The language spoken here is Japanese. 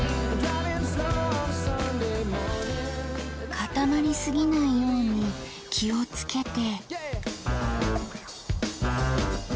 かたまりすぎないように気をつけて。